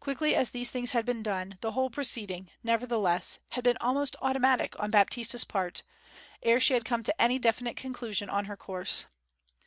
Quickly as these things had been done, the whole proceeding, nevertheless, had been almost automatic on Baptista's part, ere she had come to any definite conclusion on her course.